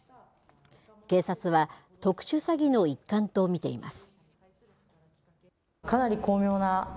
警察は、特殊詐欺の一環と見ています。